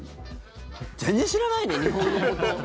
全然知らないね、日本のこと。